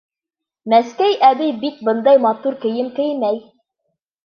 Мәскәй әбей бит бындай матур кейем кеймәй.